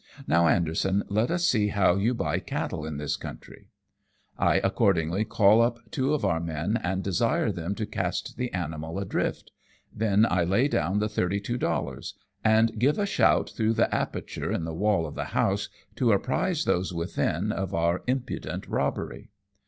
Now, Anderson, let us see how you buy cattle in this country." I accordingly call up two of our men, and desire them to cast the animal adrift ; then I lay down the 194 AMONG TYPHOONS AND PIRATE CRAFT thirty two dollars^ and give a shout through the aperture in the wall of the house, to apprise those within of our impudent robhery.